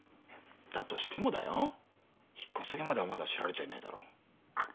だとしても引っ越し先まではまだ知られちゃいないだろ。